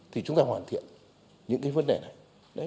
thì chúng ta hoàn thiện những cái vấn đề này